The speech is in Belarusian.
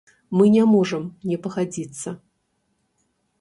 Мы не можам не пагадзіцца.